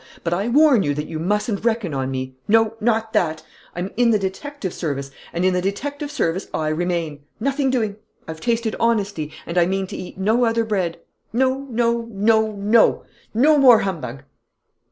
But I warn you that you mustn't reckon on me. No, not that! I'm in the detective service; and in the detective service I remain. Nothing doing. I've tasted honesty and I mean to eat no other bread. No, no, no, no! No more humbug!"